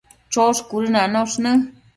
Chosh cuëdënanosh në